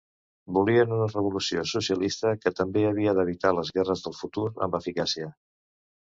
Volien una revolució socialista que també havia d'evitar les guerres del futur amb eficàcia.